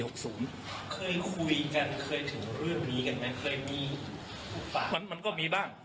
เคยคุยกันเคยถึงเรื่องนี้กันไหมเคยมีภาพ